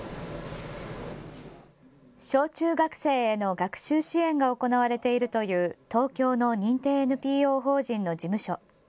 小中学生への学習支援が行われているという東京の認定ＮＰＯ法人の事務所。